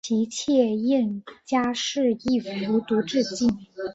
其妾燕佳氏亦服毒自尽。